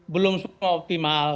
belum semua optimal